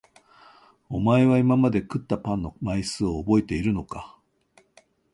おまえは今まで食ったパンの枚数をおぼえているのか？